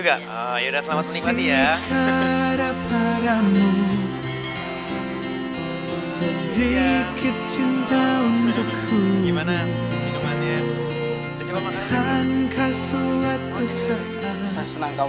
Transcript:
mau ngelamar kamu